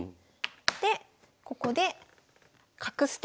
でここで角捨て。